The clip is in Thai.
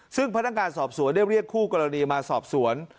ซึ่งพนักงานสอบสวนได้เรียกคู่กรณีมาสอบสวน